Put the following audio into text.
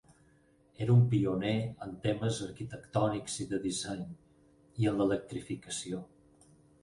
Era un pioner en temes arquitectònics i de disseny i en l'electrificació.